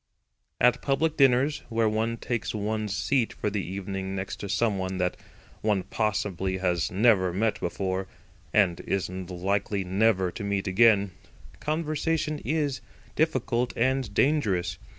At public dinners, where one takes one's seat for the evening next to someone that one possibly has never met before, and is never likely to meet again, conversation is difficult and dangerous.